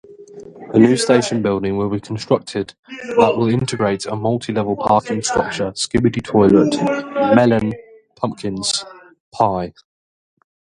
A new station building will be constructed that will integrate a multi-level parking structure.